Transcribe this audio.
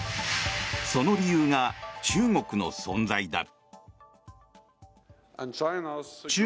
その理由が中国の存在だ。